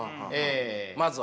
まずはね。